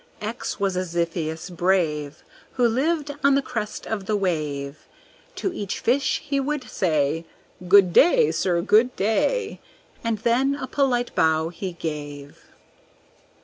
X was a Xiphias brave, Who lived on the crest of the wave. To each fish he would say, "Good day, sir, good day!" And then a polite bow he gave.